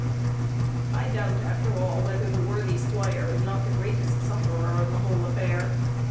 I doubt, after all, whether the worthy squire is not the greatest sufferer in the whole affair.